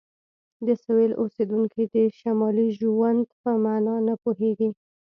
د سویل اوسیدونکي د شمالي ژوند په معنی نه پوهیږي